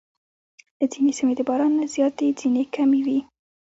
ځینې سیمې د باران نه زیاتې، ځینې کمې وي.